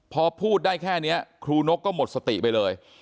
พอพูดได้แค่นี้ครูนกก็หมดสติไปเลย